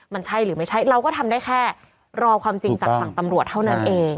มันใช่หรือไม่ใช่เราก็ทำได้แค่รอความจริงจากฝั่งตำรวจเท่านั้นเอง